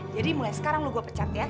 jadi mulai sekarang lo gue pecat ya